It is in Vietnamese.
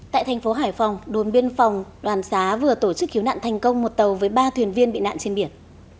tại thành phố hải phòng đồn biên phòng đoàn xá vừa tổ chức khiếu nạn thành công một tàu với ba thuyền viên bị nạn trên biển